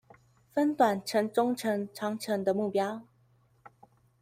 分短程中程長程的目標